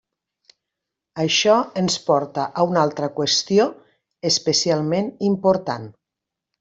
Això ens porta a una altra qüestió especialment important.